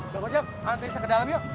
udah ngojek anterin saya ke dalam yuk